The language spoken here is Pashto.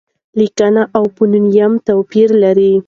لیکنه او فونېم توپیر لري.